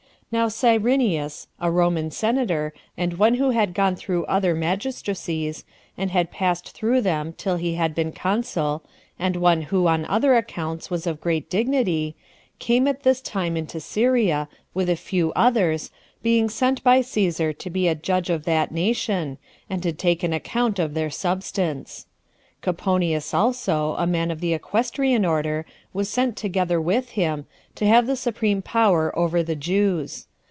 1. Now Cyrenius, a Roman senator, and one who had gone through other magistracies, and had passed through them till he had been consul, and one who, on other accounts, was of great dignity, came at this time into Syria, with a few others, being sent by Cæsar to be a judge of that nation, and to take an account of their substance. Coponius also, a man of the equestrian order, was sent together with him, to have the supreme power over the Jews.